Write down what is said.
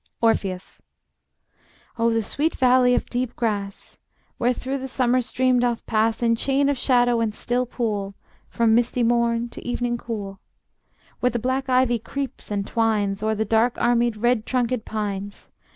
Orpheus: Oh the sweet valley of deep grass, Where through the summer stream doth pass, In chain of shadow, and still pool, From misty morn to evening cool; Where the black ivy creeps and twines O'er the dark armed, red trunkèd pines.